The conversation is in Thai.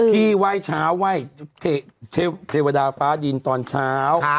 ไหว้เช้าไหว้เทวดาฟ้าดินตอนเช้า